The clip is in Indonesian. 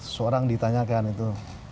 seorang ditanyakan itu